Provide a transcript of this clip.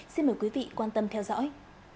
xin mời quý vị quan tâm theo dõi